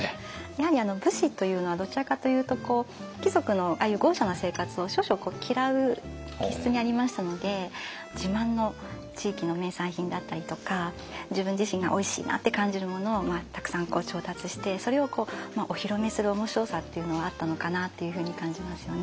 やはり武士というのはどちらかというと貴族のああいう豪しゃな生活を少々嫌う気質にありましたので自慢の地域の名産品だったりとか自分自身がおいしいなって感じるものをたくさん調達してそれをお披露目する面白さっていうのはあったのかなっていうふうに感じますよね。